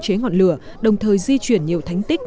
chế ngọn lửa đồng thời di chuyển nhiều thánh tích và phát triển